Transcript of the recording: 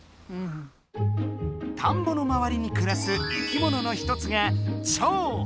田んぼのまわりにくらす生きもののひとつがチョウ。